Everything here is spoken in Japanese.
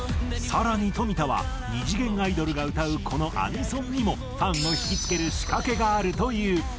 更に冨田は２次元アイドルが歌うこのアニソンにもファンを惹きつける仕掛けがあるという。